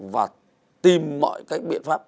và tìm mọi cái biện pháp